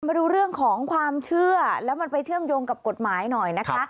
มาดูเรื่องของความเชื่อแล้วมันไปเชื่อมโยงกับกฎหมายหน่อยนะคะ